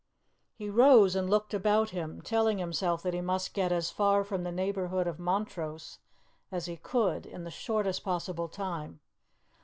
He rose and looked about him, telling himself that he must get as far from the neighbourhood of Montrose as he could in the shortest possible time.